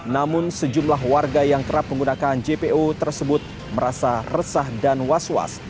namun sejumlah warga yang kerap menggunakan jpo tersebut merasa resah dan was was